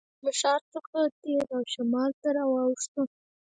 له ښار څخه تېر او شمال ته واوښتو.